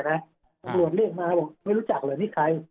รวดเรียกมาบอกไม่รู้จักเลยนี่ใคร